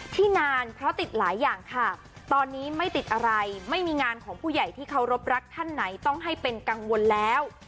ที่นานเพราะติดหลายอย่างค่ะตอนนี้ไม่ติดอะไรไม่มีงานของผู้ใหญ่ที่เคารพรักท่านไหนต้องให้เป็นกังวลแล้ว